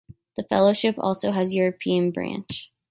The Fellowship also has a European branch.